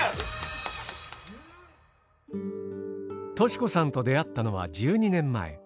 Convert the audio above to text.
老子さんと出会ったのは１２年前。